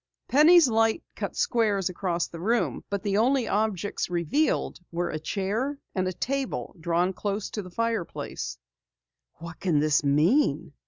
Penny's light cut squares across the room, but the only objects revealed were a chair and a table drawn close to the fireplace. "What can this mean?"